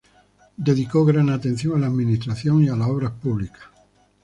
Dedicó gran atención a la administración y a las obras públicas.